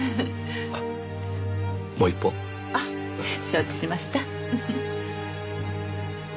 あっもう一本。あっ承知しました。